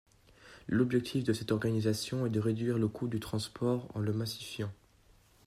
L'objectif de cette organisation est de réduire le coût du transport, en le massifiant.